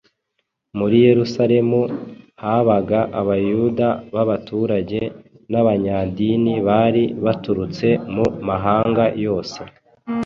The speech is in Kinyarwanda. Muri Yerusalemu habaga Abayuda b’abaturage b’abanyadini bari baraturutse mu mahanga yose